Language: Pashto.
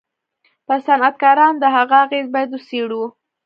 پر صنعتکارانو د هغه اغېز بايد و څېړو.